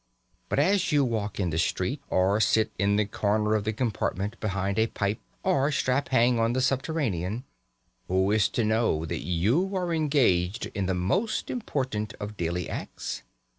But as you walk in the street, or sit in the corner of the compartment behind a pipe, or "strap hang" on the Subterranean, who is to know that you are engaged in the most important of daily acts?